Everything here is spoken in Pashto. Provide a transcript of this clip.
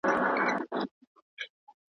د زاړه دښمن قصرونه .